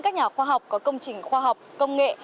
các nhà khoa học có công trình khoa học công nghệ